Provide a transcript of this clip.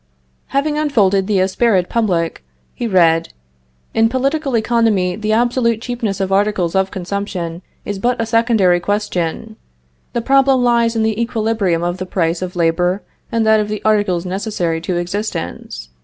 Having unfolded the Esprit Public, he read: "In political economy the absolute cheapness of articles of consumption is but a secondary question. The problem lies in the equilibrium of the price of labor and that of the articles necessary to existence.